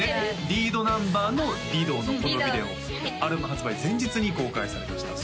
リードナンバーの「リドー」のこのビデオアルバム発売前日に公開されました